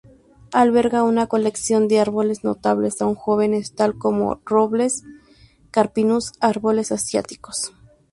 Alberga una colección de árboles notables aún jóvenes tal como robles, Carpinus, árboles asiáticos.